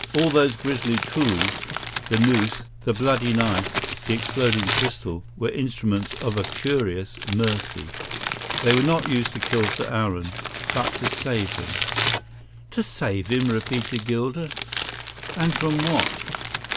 All those grisly tools, the noose, the bloody knife, the exploding pistol, were instruments of a curious mercy. They were not used to kill Sir Aaron, but to save him." "To save him!" repeated Gilder. "And from what?"